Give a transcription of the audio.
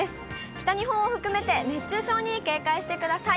北日本を含めて熱中症に警戒してください。